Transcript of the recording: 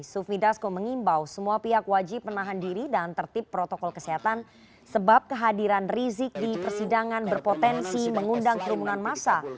sufmi dasko mengimbau semua pihak wajib menahan diri dan tertip protokol kesehatan sebab kehadiran rizik di persidangan berpotensi mengundang kerumunan masa